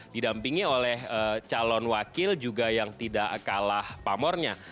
didampingi oleh calon wakil juga yang tidak kalah pamornya